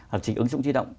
lập trình ứng dụng di động